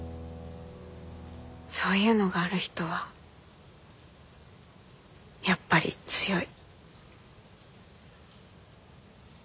そういうのがある人はやっぱり強い。